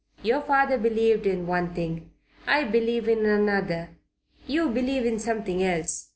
Your father believed in one thing. I believe in another. You believe in something else.